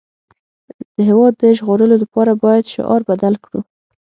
د هېواد د ژغورلو لپاره باید شعار بدل کړو